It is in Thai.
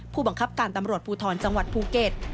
ผู้บังคับการตำรวจภูทรจังหวัดภูเก็ต